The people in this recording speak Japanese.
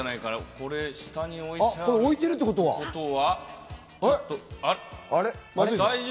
これ、下に置いてあるってことは？